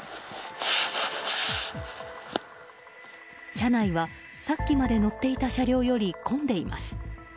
車内はさっきまで乗っていた車両より混んでいます。